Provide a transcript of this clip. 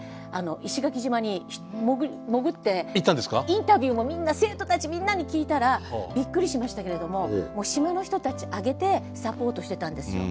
インタビューも生徒たちみんなに聞いたらびっくりしましたけれども島の人たち挙げてサポートしてたんですよ。